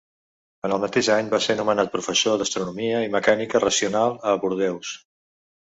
En el mateix any va ser nomenat professor d'Astronomia i Mecànica Racional a Bordeus.